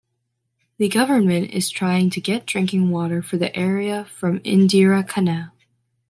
The Government is trying to get drinking water for the area from Indira Canal.